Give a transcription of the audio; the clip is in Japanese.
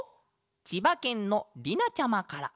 ちばけんの「りな」ちゃまから。